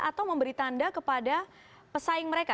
atau memberi tanda kepada pesaing mereka